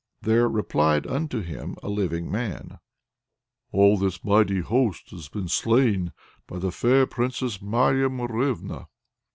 There replied unto him a living man: "All this mighty host has been slain by the fair Princess Marya Morevna."